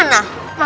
lah buat kamu mana